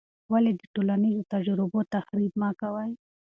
ولې د ټولنیزو تجربو تحریف مه کوې؟